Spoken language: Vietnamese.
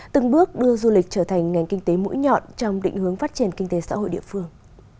từng bước đưa du lịch trở thành ngành kinh tế mũi nhọn trong định hướng phát triển kinh tế xã hội địa phương